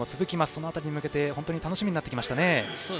その辺りに向けて本当に楽しみになってきましたね。